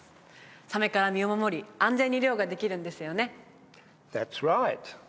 サメから身を守り安全に漁ができるんですよねＴｈａｔ’ｓｒｉｇｈｔ！